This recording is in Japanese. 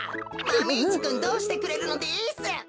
マメ１くんどうしてくれるのです？